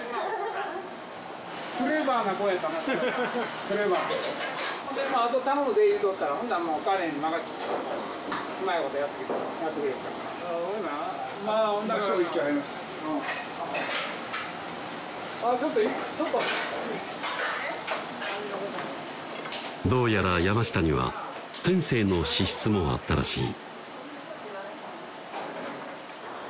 クレバーな子うんどうやら山下には天性の資質もあったらしい